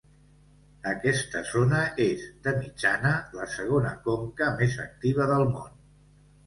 Aquesta zona és, de mitjana, la segona conca més activa del món.